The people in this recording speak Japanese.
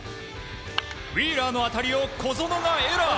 ウィーラーの当たりを小園がエラー。